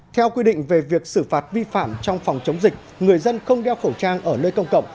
theo quy định về việc xử phạt vi phạm trong phòng chống dịch người dân không đeo khẩu trang ở nơi công cộng